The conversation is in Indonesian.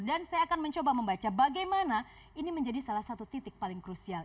dan saya akan mencoba membaca bagaimana ini menjadi salah satu titik paling krusial